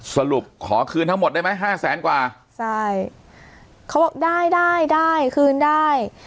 ขอคืนทั้งหมดได้ไหมห้าแสนกว่าใช่เขาบอกได้ได้ได้คืนได้